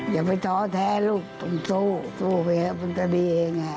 อย่าไปท้อแท้ลูกต้องสู้สู้ไปก็จะดีเอง